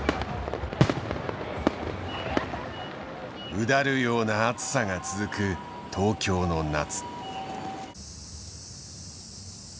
うだるような暑さが続く東京の夏。